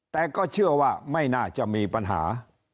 แต่ก็เชื่อว่าไม่น่าจะมีปัญหา